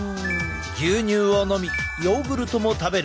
牛乳を飲みヨーグルトも食べる。